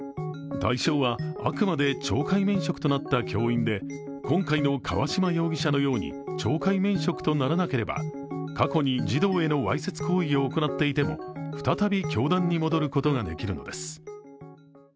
対象はあくまで懲戒免職となった教員で、今回の河嶌容疑者のように、懲戒免職とならなければ過去に児童へのわいせつ行為を行っていても再び教壇に戻ることができるのです。